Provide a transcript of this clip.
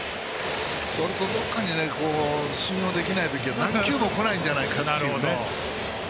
どっかに信用できない時は何球もこないんじゃないかという。